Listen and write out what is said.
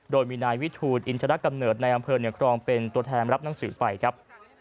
โดยมีนายวิทูลอินทรกำเนิดในอำเภอเหนือครองเป็นตัวแทนรับหนังสือไปครับ